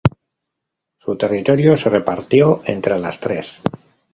Su territorio se repartió entre las tres.